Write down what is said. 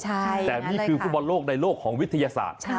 แต่นี่คือฟุตบอลโลกในโลกของวิทยาศาสตร์